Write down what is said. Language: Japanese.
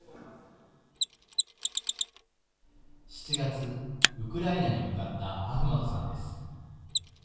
７月ウクライナに向かったアフマドさんです。